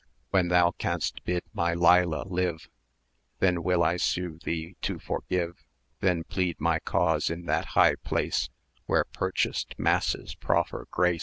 When thou canst bid my Leila live, 1210 Then will I sue thee to forgive; Then plead my cause in that high place Where purchased masses proffer grace.